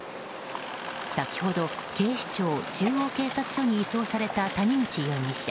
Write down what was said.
先ほど警視庁中央警察署に移送された谷口容疑者。